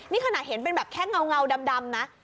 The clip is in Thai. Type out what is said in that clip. นี่ขนาดเห็นเป็นแบบแค่เงาดำนะ